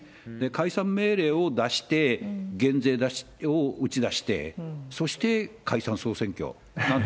解散命令を出して、減税を打ち出して、そして解散・総選挙なんて